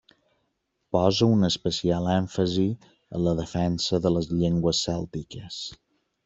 Posa un especial èmfasi en la defensa de les llengües cèltiques.